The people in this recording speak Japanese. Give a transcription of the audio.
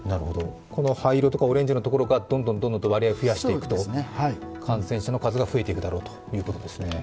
この灰色とかオレンジ色のところがどんどん割合を増やしていくと、感染者の数が増えていくだろうということですね。